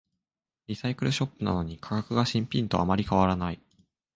リサイクルショップなのに価格が新品とあまり変わらない